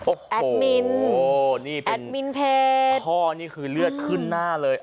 โอ้โหนี่เป็นพ่อนี่คือเลือดขึ้นหน้าเลย